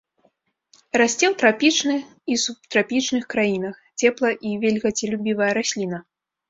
Расце ў трапічны і субтрапічных краінах, цепла- і вільгацелюбівая расліна.